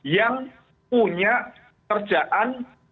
yang punya kerjaan